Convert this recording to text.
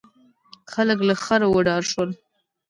خلک له خره وډار شول.